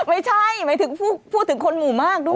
ไม่ใช่พูดถึงคนหมู่มากด้วย